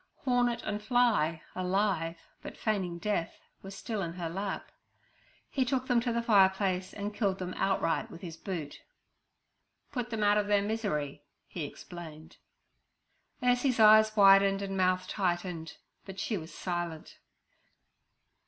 Hornet and fly, alive, but feigning death, were still in her lap. He took them to the fireplace and killed them outright with his boot. 'Put them out of their misery' he explained. Ursie's eyes widened and mouth tightened, but she was silent.